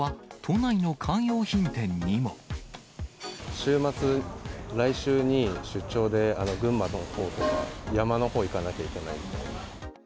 週末、来週に出張で群馬のほうとか、山のほう行かなきゃいけないので。